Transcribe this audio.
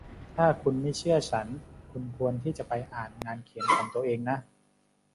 ถ้าคุณไม่เชื่อฉัน คุณควรที่จะไปอ่านงานเขียนของตัวเองนะ